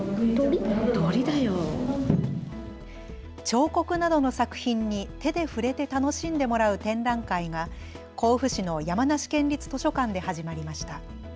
彫刻などの作品に手で触れて楽しんでもらう展覧会が甲府市の山梨県立図書館で始まりました。